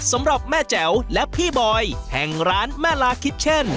สำหรับแม่แจ๋วและพี่บอยแห่งร้านแม่ลาคิชเช่น